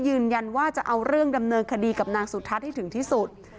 ยืนยันว่าจะเอาเรื่องดำเนินคดีกับนางสุทัศน์ให้ถึงที่สุด